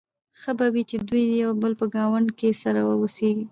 ښه به وي چې دوی د یو بل په ګاونډ کې سره واوسيږي.